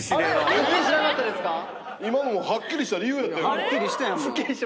今のもはっきりした理由やったよ。